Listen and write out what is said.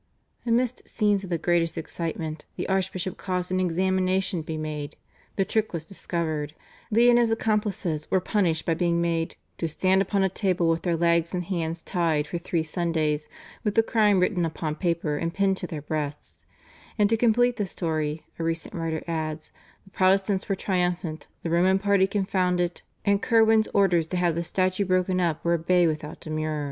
Amidst scenes of the greatest excitement the archbishop caused an examination to be made; the trick was discovered; Leigh and his accomplices were punished by being made "to stand upon a table with their legs and hands tied for three Sundays, with the crime written upon paper and pinned to their breasts"; and to complete the story, a recent writer adds, "the Protestants were triumphant, the Roman party confounded, and Curwen's orders to have the statue broken up were obeyed without demur."